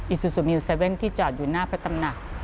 อิสุสุมิว๗ที่จอดอยู่หน้าพระตำนัก